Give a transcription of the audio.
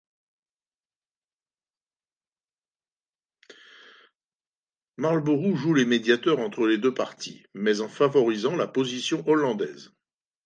Marlborough joue les médiateurs entre les deux parties, mais en favorisant la position hollandaise.